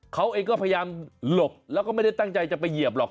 เขาเองก็พยายามหลบแล้วก็ไม่ได้ตั้งใจจะไปเหยียบหรอก